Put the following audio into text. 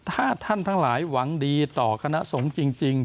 ถ้าท่านทั้งหลายหวังดีต่อคณะสงฆ์จริง